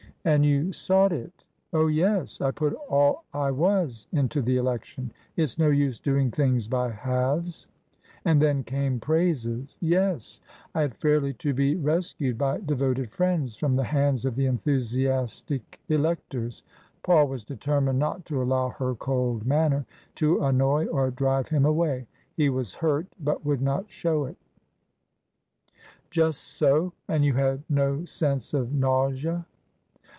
" And you sought it ?"" Oh, yes. I put all I was into the election. It's no use doing things by halves." " And then came praises." " Yes. I had feirly to be rescued by devoted friends La 21 242 TRANSITION. from the hands of the enthusiastic electors." Paul was determined not to allow her cold manner to annoy or drive him away. He was hurt, but would not show it Just so. And you had no sense of nausea